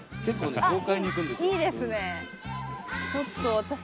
いいですね。